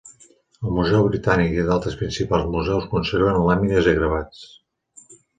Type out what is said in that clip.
El Museu Britànic i d'altres principals museus conserven làmines i gravats.